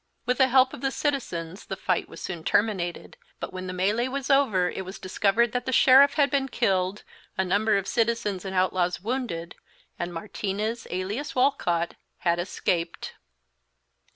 With the help of the citizens the fight was soon terminated, but when the mêlée was over it was discovered that the sheriff had been killed, a number of citizens and outlaws wounded, and Martinez, alias Walcott, had escaped.